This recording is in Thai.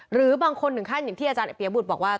หรือบางคนถึงขั้นอย่างที่อาจารย์เปียบุตรบอกว่า